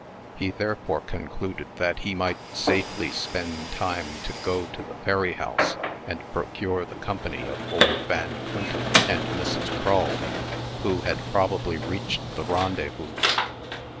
He therefore concluded that he might safely spend time to go to the ferry house, and procure the company of old Van Quintem and Mrs. Crull, who had probably reached the rendezvous.